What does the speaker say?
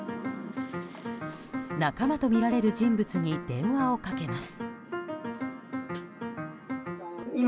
仲間とみられる人物に電話をかけます。